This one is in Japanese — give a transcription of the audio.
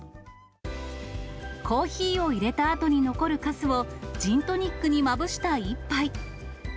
コーヒーをいれたあとに残るかすをジントニックにまぶした一杯。